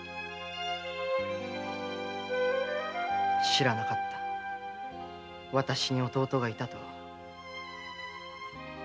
知らなかったわたしに弟がいたとは。